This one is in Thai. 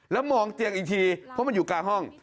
แล้วมองเตียงอีกทีเพราะมันอยู่กลางห้อง